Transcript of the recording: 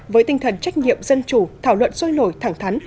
với tinh thần trách nhiệm dân chủ thảo luận sôi nổi thẳng thắn